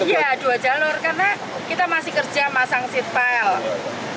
ya dua jalur karena kita masih kerja masang seatbelt